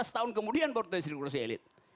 lima belas tahun kemudian baru terjadi sirkulasi elit